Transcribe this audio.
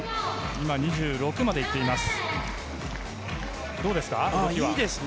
今２６まで行っています。